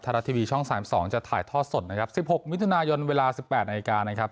ธนาทีวีช่องสามสองจะถ่ายทอดสดนะครับสิบหกมิถุนายนเวลาสิบแปดนาฬิกานะครับ